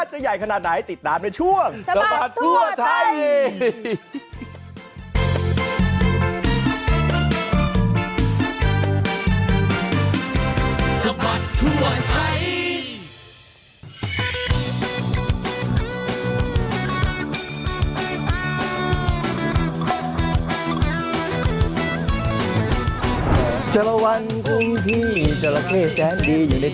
จะใหญ่ขนาดไหนติดตามในช่วงสบัดทั่วไทย